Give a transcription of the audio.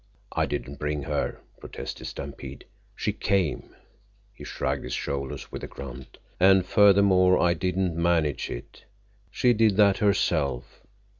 "I didn't bring her," protested Stampede. "She came." He shrugged his shoulders with a grunt. "And furthermore I didn't manage it. She did that herself.